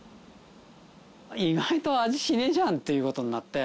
意外と味しねえじゃんっていう事になって。